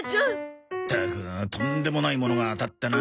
ったくとんでもないものが当たったな。